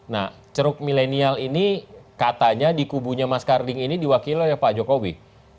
nah ceruk milenial ini katanya di kubunya mas karding ini diwakili oleh pak jokowi